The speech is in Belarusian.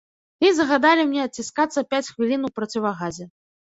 І загадалі мне адціскацца пяць хвілін у процівагазе.